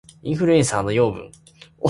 インフルエンサーの養分